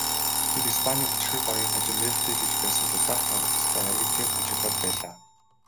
Тэд Испанийн хүчирхэг багийг хожин нээлтээ хийж байсан ч удаах тоглолтдоо Аргентинд хожигдоод байлаа.